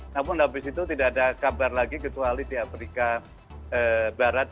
namun habis itu tidak ada kabar lagi kecuali di afrika barat